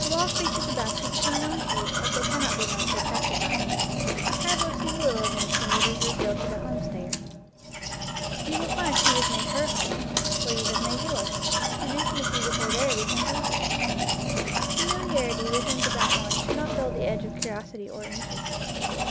The wild creatures about you become known to you as they cannot be known to a passer by. The traveler sees little of Nature that is revealed to the home stayer. You will find she has made her home where 47 NEW GLEANINGS IN OLD FIELDS you have made yours, and intimacy with her there becomes easy. Familiarity with things about one should not dull the edge of curiosity or interest.